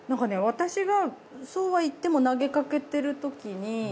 私がそうはいっても投げかけてるときに。